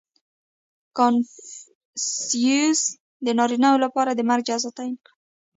• کنفوسیوس د نارینهوو لپاره د مرګ جزا تعیین کړه.